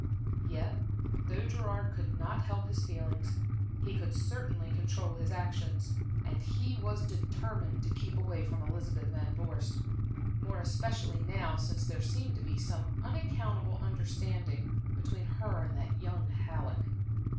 Yet though Gerard could not help his feelings, he could certainly control his actions, and he was determined to keep away from Elizabeth Van Vorst more especially now since there seemed to be some unaccountable understanding between her and that young Halleck.